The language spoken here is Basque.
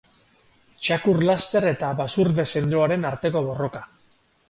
Txakur laster eta basurde sendoaren arteko borroka.